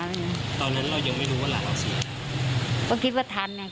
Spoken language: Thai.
ตอนนี้เรายังไม่รู้ว่าหลานเราเสีย